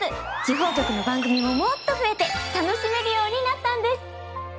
地方局の番組ももっと増えて楽しめるようになったんです。